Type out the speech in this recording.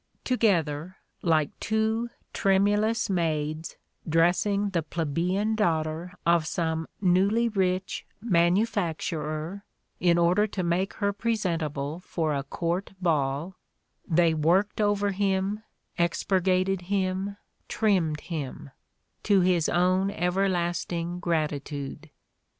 Together, like two tremulous maids dressing the plebeian daughter of some newly rich manufacturer in order to make her presentable for a court ball, they worked over him, expurgated him, trimmed him — to his own everlasting gratitude.